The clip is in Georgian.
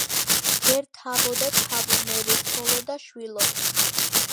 ჯერ თავო და თავო, მერე ცოლო და შვილო.